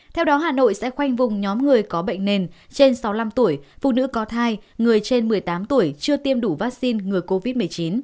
theo đó hà nội sẽ khoanh vùng nhóm người có bệnh nền trên sáu mươi năm tuổi phụ nữ có thai người trên một mươi tám tuổi chưa tiêm đủ vaccine ngừa covid một mươi chín